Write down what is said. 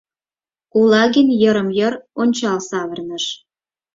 Кулагин йырым-йыр ончал савырныш.